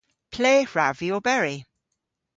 Ple hwrav vy oberi?